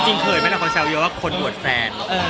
จริงเคยมั้ยละคะเจ้าเยอะว่าคนอวดแฟน